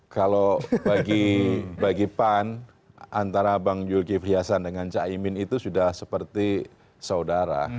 kalau bagi pan antara bang yulki frihasan dengan bang cak imin itu sudah seperti saudara